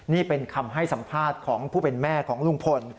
นี่เป็นคำให้สัมภาษณ์ของผู้เป็นแม่ของลุงพล